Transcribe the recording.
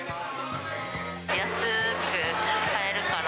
安く買えるから。